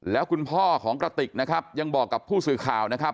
แล้วคุณพ่อของกระติกนะครับยังบอกกับผู้สื่อข่าวนะครับ